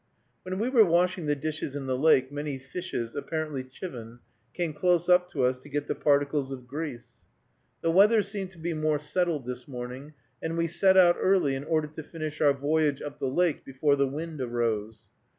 When we were washing the dishes in the lake, many fishes, apparently chivin, came close up to us to get the particles of grease. The weather seemed to be more settled this morning, and we set out early in order to finish our voyage up the lake before the wind arose.